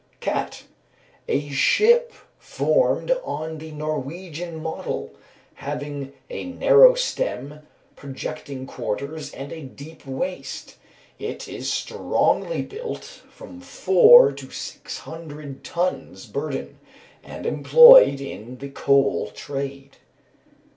CAT. A ship formed on the Norwegian model, having a narrow stern, projecting quarters, and a deep waist. It is strongly built, from four to six hundred tons' burden, and employed in the coal trade.